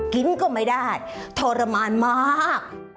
กินก็ไม่ได้ทรมานมาก